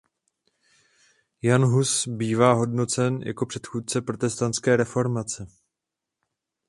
Jan Hus bývá hodnocen jako předchůdce protestantské reformace.